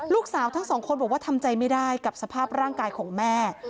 ลูกสาวทั้งสองคนบอกว่าทำใจไม่ได้กับสภาพร่างกายของแม่